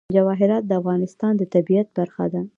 جواهرات د افغانستان د طبیعت برخه ده.